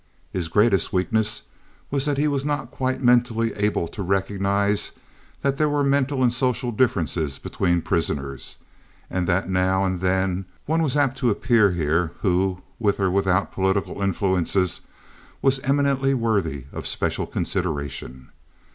His greatest weakness was that he was not quite mentally able to recognize that there were mental and social differences between prisoners, and that now and then one was apt to appear here who, with or without political influences, was eminently worthy of special consideration.